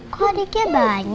kok adiknya bang